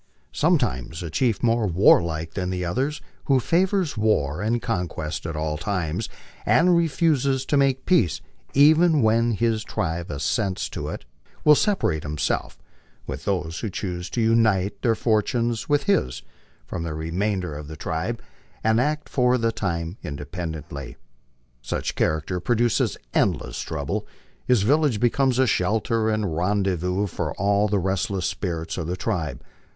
Sometimes a chief more warlike than the others, who favors war and conquest at all times, and refuses to make peace even when his tribe assents to it, will separate himself, with those who choose to unite their fortunes with his, from the remainder of tho tribe, and act for the time independently. Such a character produces endless trou ble; his village becomes a shelter and rendezvous for all the restless spirits of the tribe.